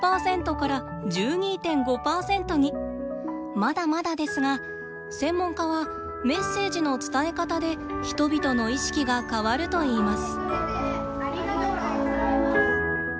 まだまだですが専門家はメッセージの伝え方で人々の意識が変わるといいます。